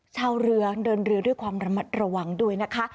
ชาวเรือเดินเรือด้วยความระมัดระวังด้วยนะคะ